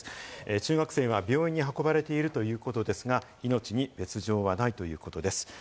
中学生は病院に運ばれてるということですが、命に別条はないということです。